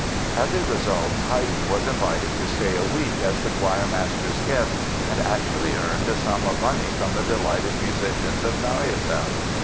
As a result Haydn was invited to stay a week as the choirmaster's guest and actually earned a sum of money from the delighted musicians of Mariazell.